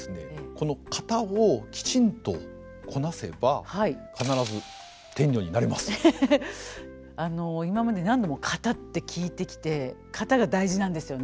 この型をきちんとこなせば今まで何度も型って聞いてきて型が大事なんですよね。